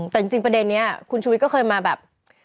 แต่จริงประเด็นนี้คุณชุวิตก็เคยมาแบบ